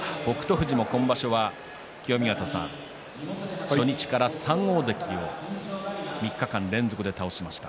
富士も今場所は初日から３大関を３日間連続で倒しました。